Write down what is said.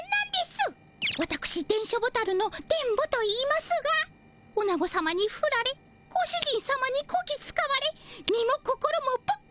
わたくし電書ボタルの電ボといいますがオナゴさまにフラれご主人さまにこき使われ身も心もボッコボコ。